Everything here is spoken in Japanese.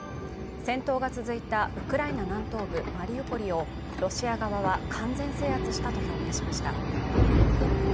戦闘が続いたウクライナ南東部マリウポリをロシア側は完全制圧したと表明しました。